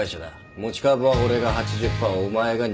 持ち株は俺が８０％お前が２０％。